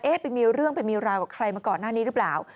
ไปมีเรื่องไปมีราวกับใครมาก่อนหน้านี้หรือเปล่า